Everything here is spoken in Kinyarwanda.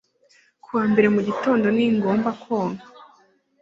Kuwa mbere mugitondo ntigomba kwonka.